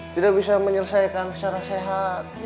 tidak bisa menyelesaikan secara sehat